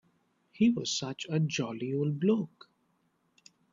He was such a jolly old bloke.